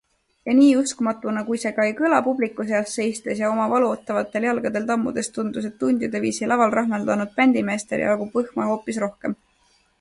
Ja nii uskumatuna kui see ka ei kõla - publiku seas seistes ja oma valutavatel jalgadel tammudes tundus, et tundide viisi laval rahmeldanud bändimeestel jagub võhma hoopis rohkem.